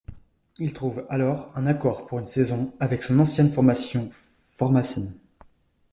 Il trouve, alors, un accord pour une saison, avec son ancienne formation Formesán.